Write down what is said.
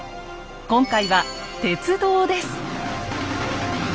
今回は「鉄道」です。